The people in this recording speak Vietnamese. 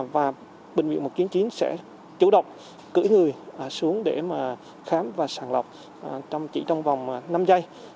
và bệnh viện một trăm chín mươi chín sẽ chủ động cử người xuống để khám và sàng lọc chỉ trong vòng năm giây